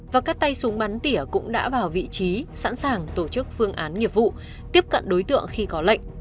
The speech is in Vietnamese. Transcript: và các tay súng bắn tỉa cũng đã vào vị trí sẵn sàng tổ chức phương án nghiệp vụ tiếp cận đối tượng khi có lệnh